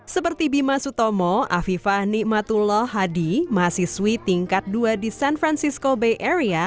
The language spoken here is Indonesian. seperti bima sutomo afifah nikmatullah hadi mahasiswi tingkat dua di san francisco bay area